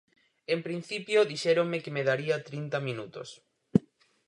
En principio dixéronme que me daría trinta minutos.